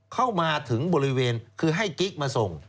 เข้ามาถึงบริเวณคือให้กิ๊กมาส่ง